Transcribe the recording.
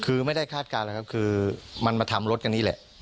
คือไม่ได้คาดการณ์นะครับคือมันมาทำรถกันนี่แหละ